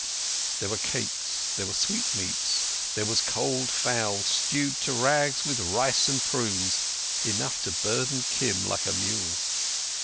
There were cakes, there were sweetmeats, there was cold fowl stewed to rags with rice and prunes—enough to burden Kim like a mule.